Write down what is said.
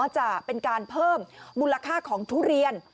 จะเป็นการเพิ่มมูลค่าของทุเรียน